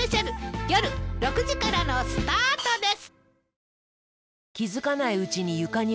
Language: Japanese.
夜６時からのスタートです。